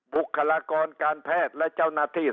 บุคลากรการแพทย์และเจ้าหน้าที่